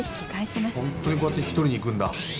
本当にこうやって引き取りに行くんだ。